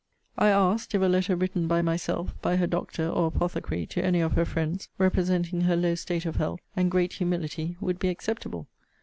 I asked, if a letter written by myself, by her doctor or apothecary, to any of her friends, representing her low state of health, and great humility, would be acceptable?